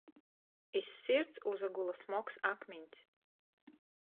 Iz sirds uzagula smogs akmiņs.